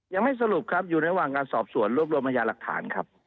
ยังไม่สรุปครับอยู่ระหว่างการสอบสวนรวบรวมพยาหลักฐานครับ